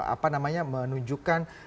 apa namanya menunjukkan